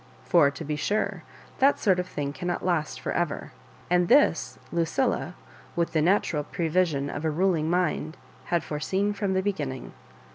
For, to be sure, that sort of thing cannot last for " ever; and this Lucilla, with the natural prevision of a ruling mind, had foreseen from the begin ning.